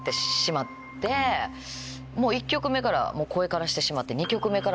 もう１曲目から声からしてしまって。